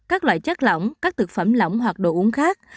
các loại chất lỏng các thực phẩm lỏng hoặc đồ uống khác